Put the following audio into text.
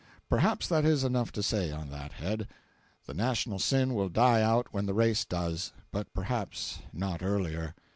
Perhaps that is enough to say on that head. The national sin will die out when the race does, but perhaps not earlier.